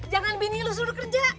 jangan bininya lo suruh kerja